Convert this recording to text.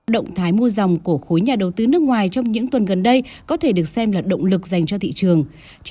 động thái mua dòng của khối nhà đầu tư nước ngoài trong những tuần gần đây có thể được xem là động lực dành cho thị trường